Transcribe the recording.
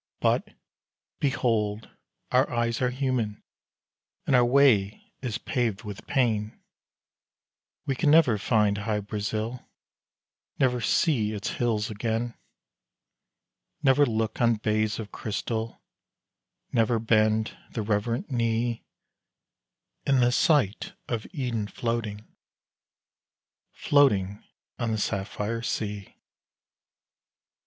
But, behold, our eyes are human, and our way is paved with pain, We can never find Hy Brasil, never see its hills again; Never look on bays of crystal, never bend the reverent knee In the sight of Eden floating floating on the sapphire sea!